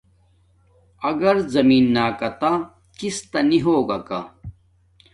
اگر زمین نا کاتہ کس تا نی ہوگاکا